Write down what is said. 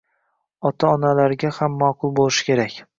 ota -onalarga ham ma'qul bo'lishi kerak